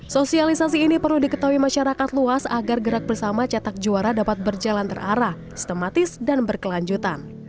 sosialisasi ini perlu diketahui masyarakat luas agar gerak bersama cetak juara dapat berjalan terarah sistematis dan berkelanjutan